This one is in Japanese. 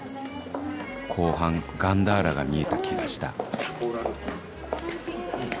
後半ガンダーラが見えた気がしたコーラルピンク。